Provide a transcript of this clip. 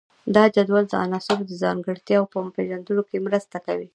دا جدول د عناصرو د ځانګړتیاوو په پیژندلو کې مرسته کوي.